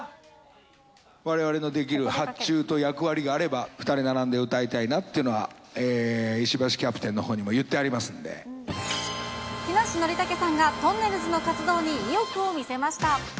われわれのできる発注と役割があれば、２人並んで歌いたいなっていうのは石橋キャプテンのほうにも言っ木梨憲武さんがとんねるずの活動に意欲を見せました。